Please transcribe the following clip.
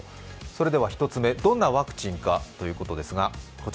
それでは１つ目、どんなワクチンかということです。